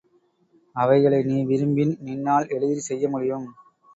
அவைகளை நீ விரும்பின் நின்னால் எளிதிற் செய்ய முடியும்.